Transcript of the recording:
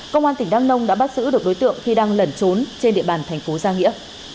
công an tỉnh đăng nông đã bắt giữ được đối tượng khi đang lẩn trốn trên địa bàn thành phố giang nghĩa